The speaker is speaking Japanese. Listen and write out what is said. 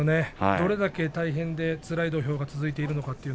どれだけつらい土俵が続いているのか